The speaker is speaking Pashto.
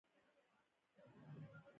لږ به دې کړی و دخپلې پیرزوینې نظر